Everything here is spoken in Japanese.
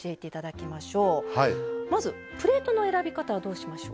まずプレートの選び方はどうしましょう？